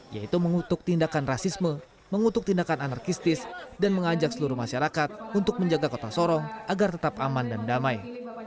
yaitu mengutuk tindakan rasisme mengutuk tindakan anarkistis dan mengajak seluruh masyarakat untuk menjaga kota sorong agar tetap aman dan damai